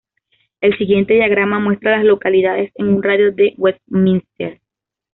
El siguiente diagrama muestra a las localidades en un radio de de Westminster.